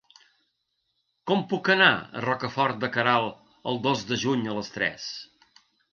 Com puc anar a Rocafort de Queralt el dos de juny a les tres?